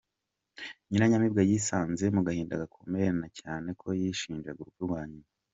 Nyiranyamibwa yisanze mu gahinda gakomeye na cyane ko yishinjaga urupfu rwa nyina.